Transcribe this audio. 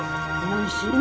おいしい。